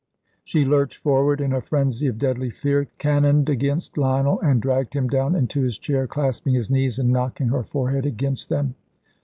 She lurched forward in a frenzy of deadly fear, cannoned against Lionel, and dragged him down into his chair, clasping his knees, and knocking her forehead against them.